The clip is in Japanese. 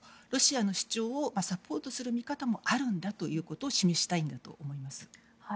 ロシアの主張をサポートする見方もあるということを示したいんだと思います。